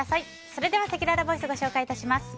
それではせきららボイスご紹介致します。